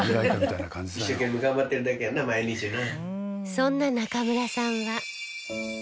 そんな中村さんは